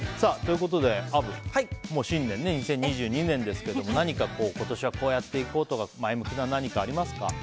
ということで、アブ新年２０２２年ですけど何か今年はこうやっていこうとか前向きな何かありますか。